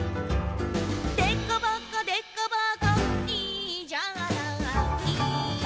「でこぼこでこぼこいいじゃない」